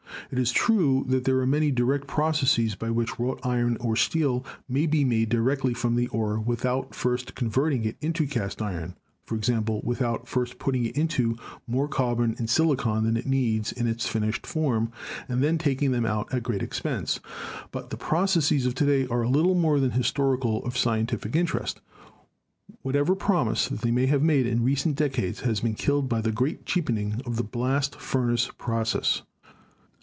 It is true that there are many direct processes by which wrought iron or steel may be made directly from the ore without first con verting it into cast iron — i.e., without first putting into it more carbon and silicon than it needs in its finished form and then taking them out at great expense. But these processes are to day of little more than historical or scien tific interest. Whatever promise they may have had in recent decades has been killed by the great cheapening of the blast furnace process.